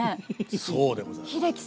そうでございます。